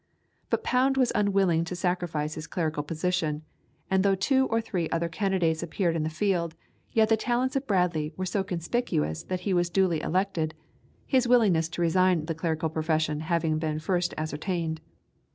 But Pound was unwilling to sacrifice his clerical position, and though two or three other candidates appeared in the field, yet the talents of Bradley were so conspicuous that he was duly elected, his willingness to resign the clerical profession having been first ascertained.